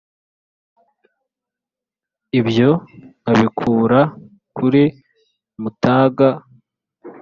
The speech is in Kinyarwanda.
ibyo nkabikura kuri mutaga